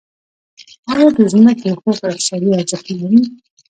آیا د ځمکې حقوق اقتصادي ارزښت نلري؟